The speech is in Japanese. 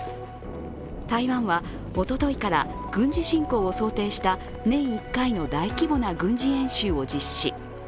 台湾は、おとといから軍事侵攻を想定した年１回の大規模な軍事演習を実施。